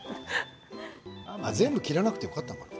全部切らなくてよかったのかな。